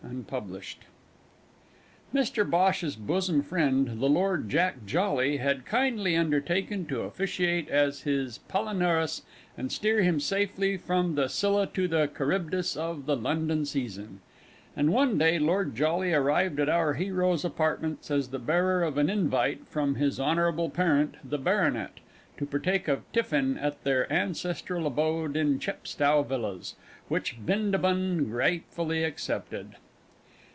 (unpublished)._ Mr Bhosh's bosom friend, the Lord Jack Jolly, had kindly undertaken to officiate as his Palinurus and steer him safely from the Scylla to the Charybdis of the London Season, and one day Lord Jolly arrived at our hero's apartments as the bearer of an invite from his honble parent the Baronet, to partake of tiffin at their ancestral abode in Chepstow Villas, which Bindabun gratefully accepted.